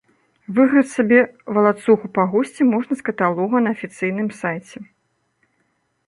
Выбраць сабе валацугу па гусце можна з каталога на афіцыйным сайце.